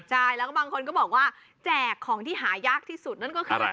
ใช่แล้วก็บางคนก็บอกว่าแจกของที่หายากที่สุดนั่นก็คือ